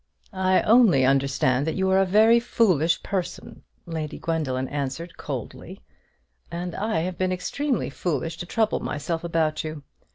"I only understand that you are a very foolish person," Lady Gwendoline answered, coldly; "and I have been extremely foolish to trouble myself about you.